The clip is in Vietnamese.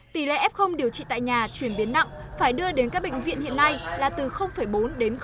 tỷ lệ f điều trị tại nhà chuyển biến nặng phải đưa đến các bệnh viện hiện nay là từ bốn đến năm